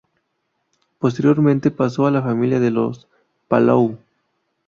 Posteriormente pasó a la familia de los Palou.